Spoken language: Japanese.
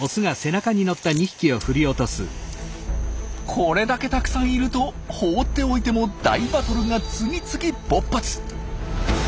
これだけたくさんいると放っておいても大バトルが次々勃発。